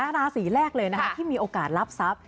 ราศีแรกเลยนะคะที่มีโอกาสรับทรัพย์